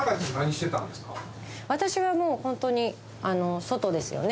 私はもうホントに外ですよね。